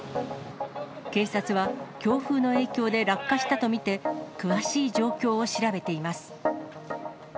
警察は、強風の影響で落下したと見て、詳しい状況を調べています。